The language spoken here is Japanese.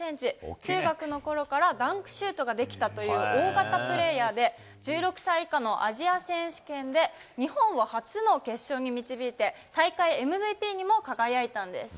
中学のころからダンクシュートができたという大型プレーヤーで、１６歳以下のアジア選手権で日本を初の決勝に導いて、大会ＭＶＰにも輝いたんです。